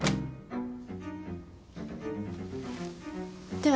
では